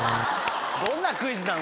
どんなクイズなの？